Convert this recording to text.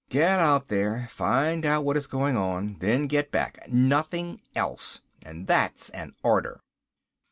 Get out there. Find out what is going on. Then get back. Nothing else and that's an order."